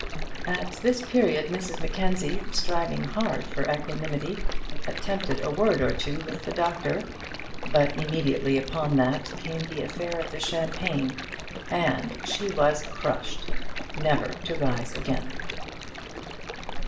At this period Mrs Mackenzie, striving hard for equanimity, attempted a word or two with the doctor. But immediately upon that came the affair of the champagne, and she was crushed, never to rise again.